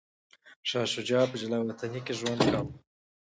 شاه شجاع په جلاوطنۍ کي ژوند کاوه.